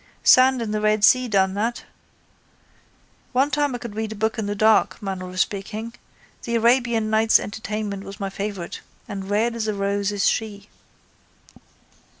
Sand in the Red Sea done that. One time I could read a book in the dark, manner of speaking. The Arabian Nights Entertainment was my favourite and _Red as a Rose is She.